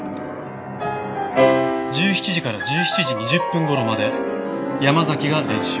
１７時から１７時２０分頃まで山崎が練習。